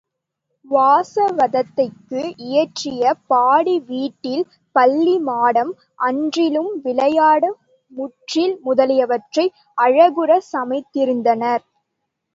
வாசவதத்தைக்கு இயற்றிய பாடி வீட்டில் பள்ளிமாடம், அன்றிலும் விளையாடு முன்றில் முதலியவற்றை அழகுறச் சமைத்திருந்தனர்.